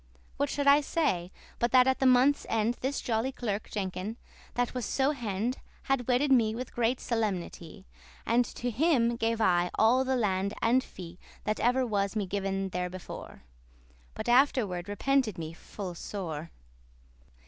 ] <25> What should I say? but that at the month's end This jolly clerk Jenkin, that was so hend,* *courteous Had wedded me with great solemnity, And to him gave I all the land and fee That ever was me given therebefore: But afterward repented me full sore.